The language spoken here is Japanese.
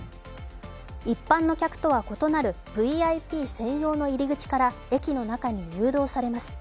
一般の客とは異なるＶＩＰ専用の入り口から駅の中へ誘導されます。